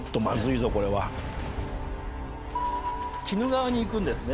鬼怒川に行くんですね